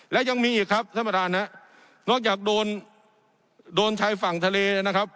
และยังมีอีกครับสมรรถนั้นนอกจากโดนชายฝั่งทะเลนะครับ